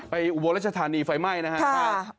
อุบลรัชธานีไฟไหม้นะครับ